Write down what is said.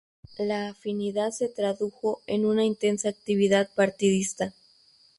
La afinidad se tradujo en una intensa actividad partidista.